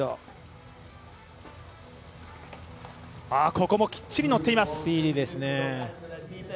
ここもきっちり乗っています。